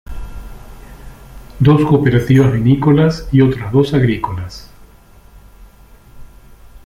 Dos cooperativas vinícolas y otras dos agrícolas.